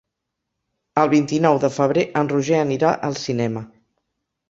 El vint-i-nou de febrer en Roger anirà al cinema.